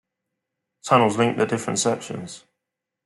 Tunnels link the different sections.